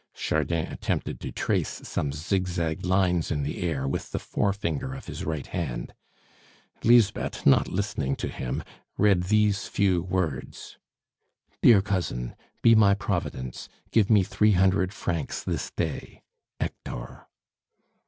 Chardin attempted to trace some zigzag lines in the air with the forefinger of his right hand. Lisbeth, not listening to him, read these few words: "DEAR COUSIN, Be my Providence; give me three hundred francs this day. "HECTOR."